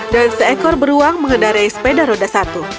dan seekor beruang mengendarai sepeda roda satu